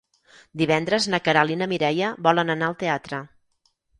Divendres na Queralt i na Mireia volen anar al teatre.